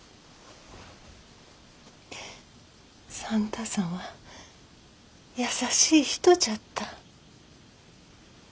算太さんは優しい人じゃった。